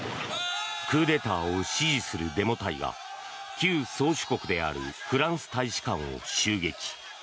クーデターを支持するデモ隊が旧宗主国であるフランス大使館を襲撃。